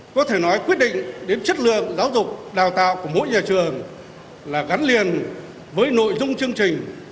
có thể nói quyết định đến chất lượng giáo dục đào tạo của mỗi nhà trường là gắn liền với nội dung chương trình